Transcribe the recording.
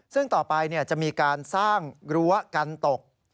ซึ่งต่อไปจะมีการสร้างรั้วกันตก